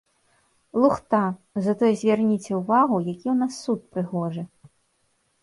Лухта, затое звярніце ўвагу, які ў нас суд прыгожы.